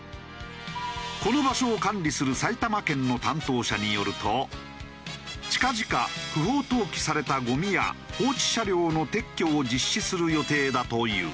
この場所を管理する埼玉県の担当者によると近々不法投棄されたゴミや放置車両の撤去を実施する予定だという。